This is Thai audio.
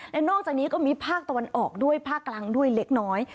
และนอกจากนี้ก็มีภาคตะวันออกด้วยภาคกลางด้วยเล็กน้อย